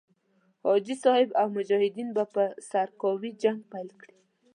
حاجي صاحب او مجاهدین به په سرکاوي جنګ پيل کړي.